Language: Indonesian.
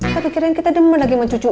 kira kira kita demen lagi sama cucunya